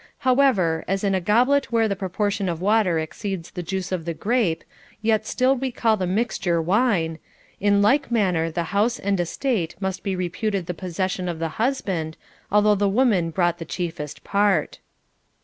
However, as in a goblet where the proportion of water exceeds the juice of the grape, yet still we call the mixture wine ; in like manner the house and estate must be reputed the possession of the husband, although the woman brought the chiefest part.